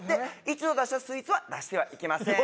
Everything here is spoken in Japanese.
一度出したスイーツは出してはいけません